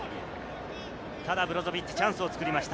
ただブロゾビッチ、チャンスを作りました。